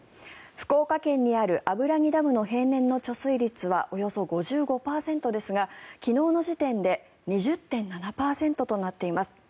福岡県にある油木ダムの平年の貯水率はおよそ５５％ですが昨日の時点で２０．７％となっています。